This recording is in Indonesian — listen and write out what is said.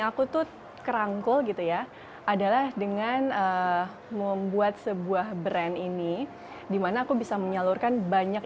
aku tuh kerangkul gitu ya adalah dengan membuat sebuah brand ini dimana aku bisa menyalurkan banyak